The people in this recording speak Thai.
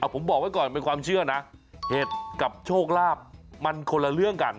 ผมบอกไว้ก่อนเป็นความเชื่อนะเห็ดกับโชคลาภมันคนละเรื่องกัน